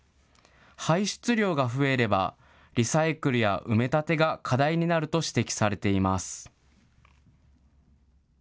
排出量が増えればリサイクルや埋め立てが課題になると指摘されています。